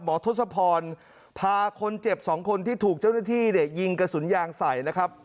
ทศพรพาคนเจ็บสองคนที่ถูกเจ้าหน้าที่เนี่ยยิงกระสุนยางใส่นะครับ